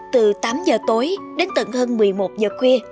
từ tám giờ tối đến tận hơn một mươi một giờ khuya